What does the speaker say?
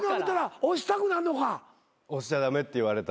押しちゃ駄目って言われたら。